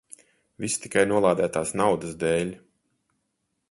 Viss tikai nolādētās naudas dēļ.